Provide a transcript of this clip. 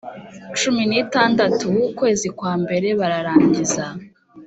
Cumi n itandatu w ukwezi kwa mbere bararangiza